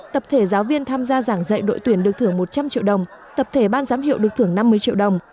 tập thể giáo viên tham gia giảng dạy đội tuyển được thưởng một trăm linh triệu đồng tập thể ban giám hiệu được thưởng năm mươi triệu đồng